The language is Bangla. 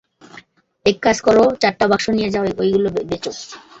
এক কাজ করো, চারটা বাক্স নিয়ে যাও, ঐগুলা বেচো।